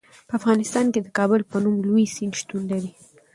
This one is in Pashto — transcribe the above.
په افغانستان کې د کابل په نوم لوی سیند شتون لري.